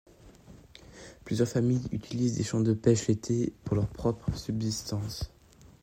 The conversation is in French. Plusieurs familles utilisent des camps de pêche l'été pour leur propre subsistance.